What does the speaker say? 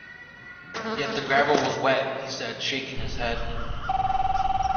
"Yet the gravel was wet," he said, shaking his head.